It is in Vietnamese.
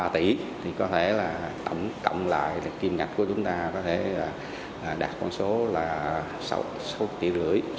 ba tỷ thì có thể là tổng lại kiêm ngạc của chúng ta có thể đạt con số là sáu tỷ rưỡi